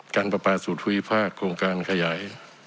การปรับปรากฏศูนย์ภูยิภาคโครงการขยาย